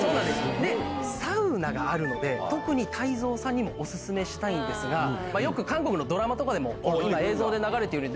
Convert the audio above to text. サウナがあるので泰造さんにもおすすめしたいんですがよく韓国のドラマとかでも今映像で流れてるように。